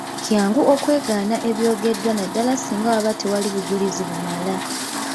Kyangu okwewakana ebyogeddwa naddala singa waba tewaliiwo bujulizi bumala.